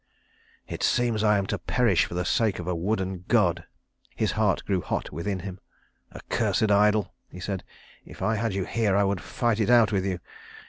"It seems I am to perish for the sake of a wooden god!" His heart grew hot within him. "Accursed idol," he said, "if I had you here I would fight it out with you!